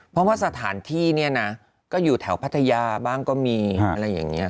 เพราะว่าสถานที่เนี่ยนะก็อยู่แถวพัทยาบ้างก็มีอะไรอย่างนี้